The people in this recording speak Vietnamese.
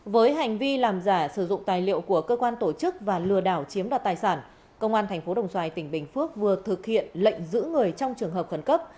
với hành vi làm giả sử dụng tài liệu của cơ quan tổ chức và lừa đảo chiếm đoạt tài sản công an tp đồng xoài tỉnh bình phước vừa thực hiện lệnh giữ người trong trường hợp khẩn cấp